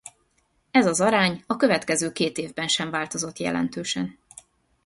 Ez az arány a következő két évben sem változott jelentősen.